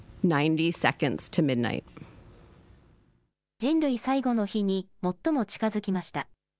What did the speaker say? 人類最後の日に最も近づきました。